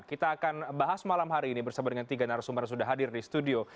kita akan bahas malam hari ini bersama dengan tiga narasumber yang sudah hadir di studio